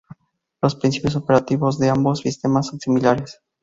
Los principios operativos de ambos sistemas son similares.